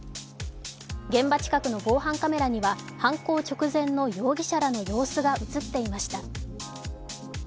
現場近くの防犯カメラには犯行直前の容疑者らの様子が映っていました。